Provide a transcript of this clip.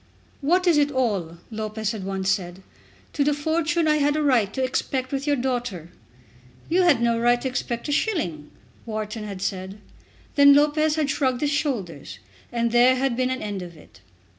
"What is it all," Lopez had once said, "to the fortune I had a right to expect with your daughter?" "You had no right to expect a shilling," Wharton had said. Then Lopez had shrugged his shoulders, and there had been an end of it.